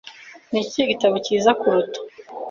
Ni ikihe gitabo cyiza kuruta?